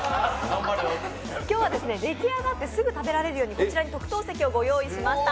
今日は出来上がってすぐ食べられるようにこちらに特等席をご用意しました。